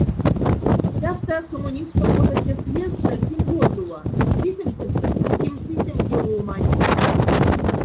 Тяфта, коммунистта котоце съездсоль кемготува, сисемцеса—кемзисемге ломань.